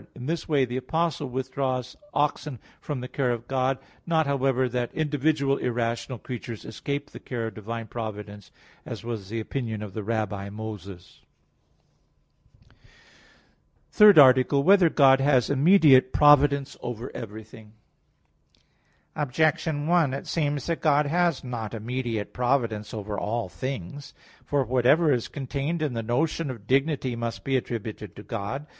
In this way, the Apostle withdraws oxen from the care of God: not, however, that individual irrational creatures escape the care of divine providence; as was the opinion of the Rabbi Moses. _______________________ THIRD ARTICLE [I, Q. 22, Art. 3] Whether God Has Immediate Providence Over Everything? Objection 1: It seems that God has not immediate providence over all things. For whatever is contained in the notion of dignity, must be attributed to God.